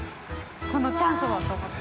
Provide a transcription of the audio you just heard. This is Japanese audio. このチャンスをと思って。